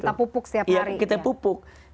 kita pupuk setiap hari